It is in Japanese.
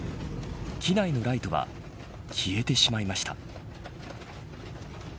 機内のライトは消えてしまいました。